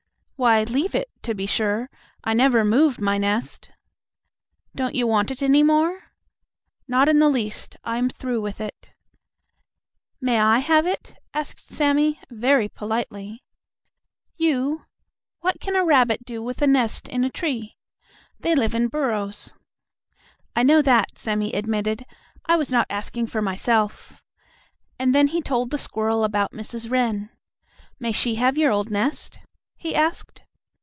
"Why leave it, to be sure. I never move my nest." "Don't you want it any more?" "Not in the least. I am through with it." "May I have it?" asked Sammie, very politely. "You? What can a rabbit do with a nest in a tree? They live in burrows." "I know that," Sammie admitted. "I was not asking for myself," and then he told the squirrel about Mrs. Wren. "May she have your old nest?" he asked.